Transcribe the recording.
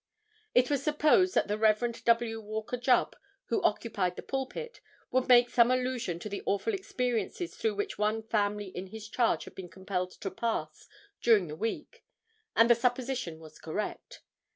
It was supposed that the Rev. W. Walker Jubb, who occupied the pulpit, would make some allusion to the awful experiences through which one family in his charge had been compelled to pass during the week, and the supposition was correct.